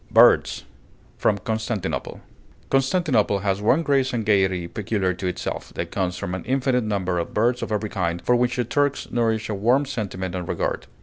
BIRDS From 'Constantinople' Constantinople has one grace and gayety peculiar to itself, that comes from an infinite number of birds of every kind, for which the Turks nourish a warm sentiment and regard.